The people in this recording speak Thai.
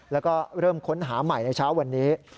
แล้วก็เริ่มค้นหาใหม่ในเช้าวันนี้